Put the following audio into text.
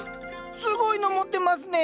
すごいの持ってますね。